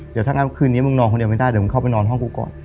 เดี๋ยวถ้างั้นคืนนี้มึงนอนคนเดียวไม่ได้เดี๋ยวมึงเข้าไปนอนห้องกูก่อน